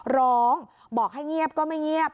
ร้องบอกให้เงียบก็ไม่เงียบ